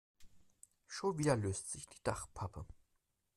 Schon wieder löst sich die Dachpappe.